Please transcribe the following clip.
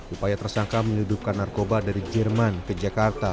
upaya tersangka menyeludupkan narkoba dari jerman ke jakarta